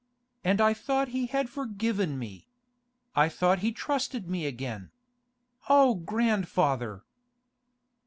And I thought he had forgiven me! I thought he trusted me again! O grandfather!